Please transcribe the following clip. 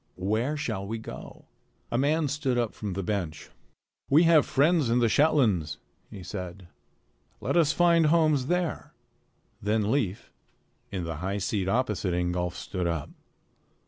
Where shall we go?" A man stood up from the bench. "We have friends in the Shetlands," he said. "Let us find homes there." Then Leif, in the high seat opposite Ingolf, stood up.